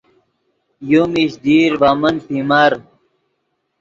یو میش دیر ڤے من پیمر